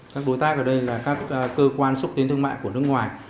các đối tác ở đây là các cơ quan xúc tiến thương mại của nước ngoài